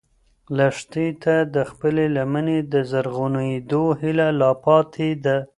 لښتې ته د خپلې لمنې د زرغونېدو هیله لا پاتې ده.